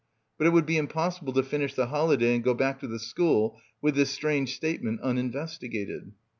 But it would be impossible to finish the holiday and go back to the school with this strange state ment uninvestigated.